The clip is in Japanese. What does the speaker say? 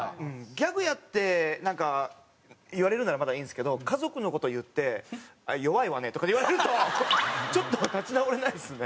ギャグやってなんか言われるならまだいいんですけど家族の事言って「弱いわね」とか言われるとちょっと立ち直れないですね。